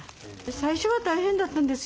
最初は大変だったんですよ